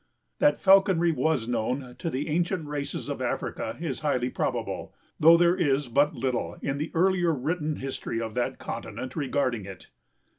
That falconry was known to the ancient races of Africa is highly probable, though there is but little in the earlier written history of that continent regarding it.